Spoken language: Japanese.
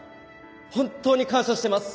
本当に感謝してます。